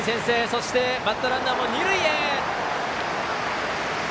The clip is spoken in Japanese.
そしてバッターランナーも二塁へ！